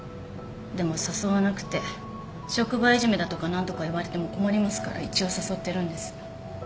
でも誘わなくて職場いじめだとか何とか言われても困りますから一応誘ってるんです。